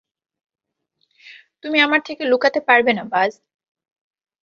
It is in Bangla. তুমি আমার থেকে লুকাতে পারবে না, বায।